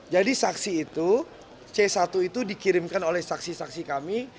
jadi saksi itu c satu itu dikirimkan oleh saksi saksi kami